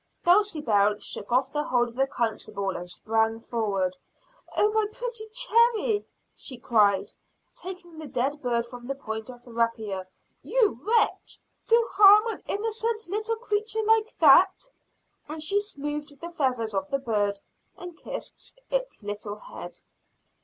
Dulcibel shook off the hold of the constable and sprang forward. "Oh, my pretty Cherry," she cried, taking the dead bird from the point of the rapier. "You wretch! to harm an innocent little creature like that!" and she smoothed the feathers of the bird and kissed its little head.